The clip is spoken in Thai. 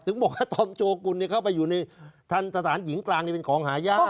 ถึงบอกว่าตอมโจกุลเข้าไปอยู่ในทันสถานหญิงกลางนี่เป็นของหายาก